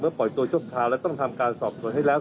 เมื่อปล่อยตัวชกทางแล้วต้องทำการสอบส่วนให้แล้ว